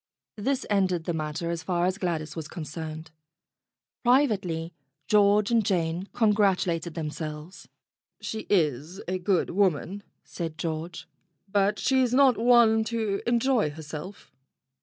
This ended the matter as far as Gladys was con cerned. Privately George and Jane congratulated themselves. "She is a good woman," said George, "but she's not one to enjoy herself."